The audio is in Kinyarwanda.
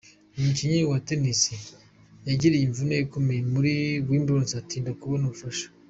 Umukinnyi wa Tennis yagiriye imvune ikomeye muri Wimbledon atinda kubona ubufasha.